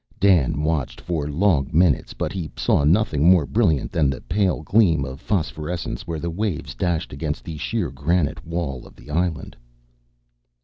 Dan watched for long minutes, but he saw nothing more brilliant than the pale gleam of phosphorescence where the waves dashed against the sheer granite wall of the island.